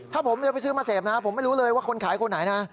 ถ้าผมจะไปซื้อมาเสพนะผมไม่รู้เลยว่าคนขายคนไหนนะ